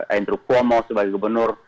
andrew cuomo sebagai gubernur